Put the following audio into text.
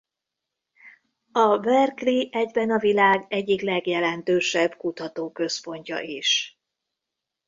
A ‘Berkeley’ egyben a világ egyik legjelentősebb kutatóközpontja is.